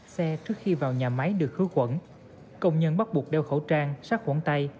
xe trước khi vào nhà máy được hứa quẩn công nhân bắt buộc đeo khẩu trang sát khoảng tay